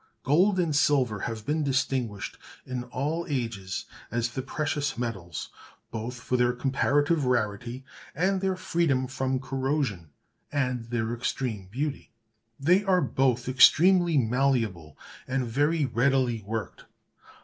Gold and silver have been distinguished in all ages as the precious metals, both for their comparative rarity and their freedom from corrosion, and their extreme beauty. They are both extremely malleable and very readily worked.